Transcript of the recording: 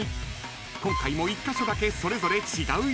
［今回も１カ所だけそれぞれ違う予想］